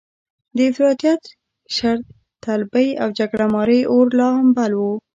د افراطیت، شرطلبۍ او جګړه مارۍ اور لا هم بل و.